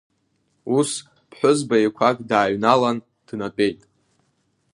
Ус, ԥҳәызба еиқәак дааҩналан днатәеит.